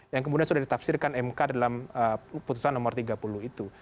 yang kemudian sudah ditafsirkan mk dalam putusan nomor tiga puluh itu